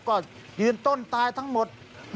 ก็ยืนต้นตายทั้งหมด